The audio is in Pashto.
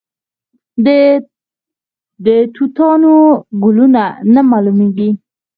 د توتانو ګلونه نه معلومیږي؟